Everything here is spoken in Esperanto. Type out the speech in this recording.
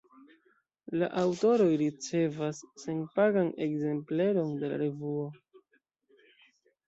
La aŭtoroj ricevas senpagan ekzempleron de la revuo.